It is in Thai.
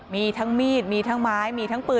มีทั้งมีดมีทั้งไม้มีทั้งปืน